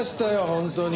本当に。